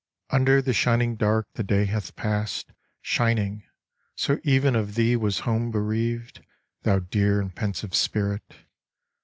Under the shining dark the day hath passed Shining; so even of thee was home bereaved, Thou dear and pensive spirit!